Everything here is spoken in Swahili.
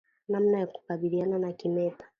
Namna ya kukabiliana na kimeta